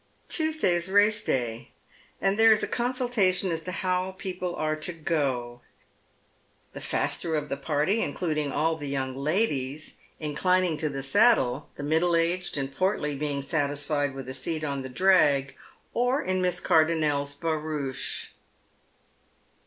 Tuesday is the race day, and there is a consultation as to how people are to go : the faster of the party — including all the young ladies — inclining to the saddle, the middle aged and portly being satisfied with a seat on the drag, or in Miss Cardonnel's barouche.